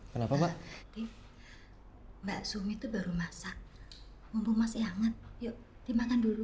kenapa di mbak sumi itu baru masak mumpung masih hangat yuk dimakan dulu